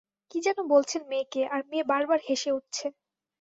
কি যেন বলছেন মেয়েকে, আর মেয়ে বারবার হোসে উঠছে।